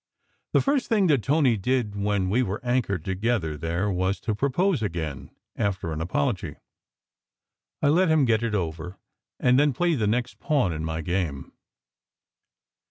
The first thing that Tony did when we were anchored to gether there was to propose again, after an apology. I let him get it over, and then played the next pawn in my game.